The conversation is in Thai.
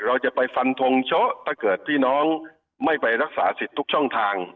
เราจะไปฟันทงโชถ้าเกิดพี่น้องไม่ไปรักษาสิทธิ์ทุกช่องทาง